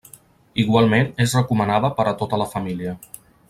Igualment és recomanada per a tota la família.